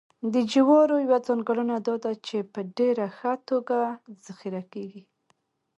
د جوارو یوه ځانګړنه دا ده چې په ډېره ښه توګه ذخیره کېږي